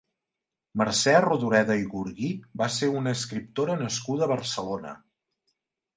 Mercè Rodoreda i Gurguí va ser una escriptora nascuda a Barcelona.